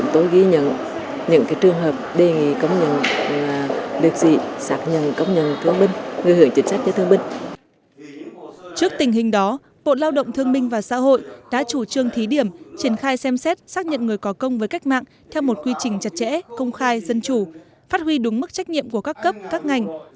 trước tình hình đó bộ lao động thương minh và xã hội đã chủ trương thí điểm triển khai xem xét xác nhận người có công với cách mạng theo một quy trình chặt chẽ công khai dân chủ phát huy đúng mức trách nhiệm của các cấp các ngành